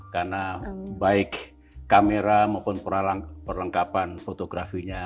karena baik kamera maupun perlengkapan fotografinya